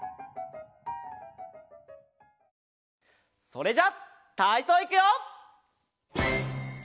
それじゃたいそういくよ！